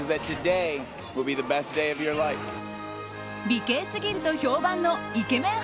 美形すぎると評判のイケメン